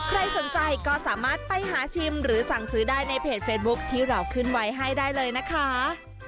ใครสนใจก็สามารถไปหาชิมหรือสั่งซื้อได้ในเพจเฟซบุ๊คที่เราขึ้นไว้ให้ได้เลยนะคะ